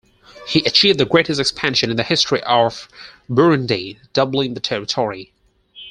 He achieved the greatest expansion in the history of Burundi, doubling the territory.